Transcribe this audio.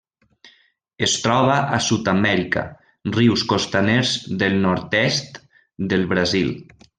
Es troba a Sud-amèrica: rius costaners del nord-est del Brasil.